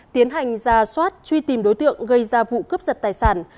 tiến hành ra soát truy tìm đối tượng gây ra vụ cướp giật tài sản